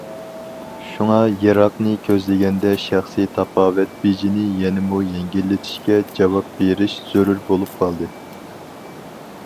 شۇڭا يىراقنى كۆزلىگەندە شەخسىي تاپاۋەت بېجىنى يەنىمۇ يەڭگىللىتىشكە جاۋاب بېرىش زۆرۈر بولۇپ قالدى.